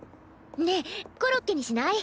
ねえコロッケにしない？